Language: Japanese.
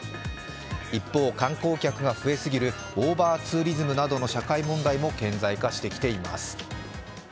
一方、観光客が増えすぎるオーバーツーリズムの社会問題も顕在化してきています。